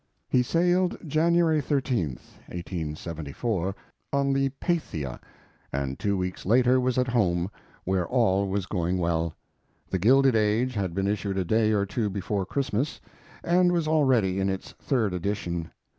He sailed January 13 (1874.), on the Paythia, and two weeks later was at home, where all was going well. The Gilded Age had been issued a day or two before Christmas, and was already in its third edition.